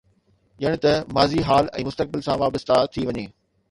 ڄڻ ته ماضي، حال ۽ مستقبل سان وابسته ٿي وڃي.